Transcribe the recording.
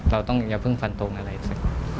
เราต้องอย่าเพิ่งฟันตรงอะไรสัก